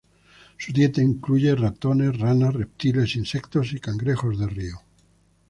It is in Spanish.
Su dieta incluye ratones, ranas, reptiles, insectos y cangrejos de río.